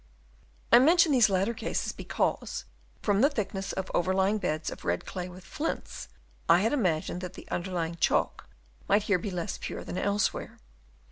I mention these latter cases because, from the thickness of the overlying bed of red clay with flints, I had imagined that the underlying chalk might here be less pure than elsewhere.